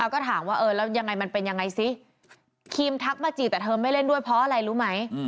ก็ถามว่าเออแล้วยังไงมันเป็นยังไงซิคิมทักมาจีบแต่เธอไม่เล่นด้วยเพราะอะไรรู้ไหม